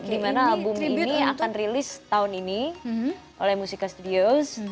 dimana album ini akan rilis tahun ini oleh musika studio